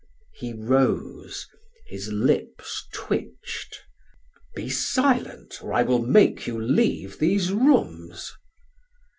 He rose; his lips twitched: "Be silent or I will make you leave these rooms."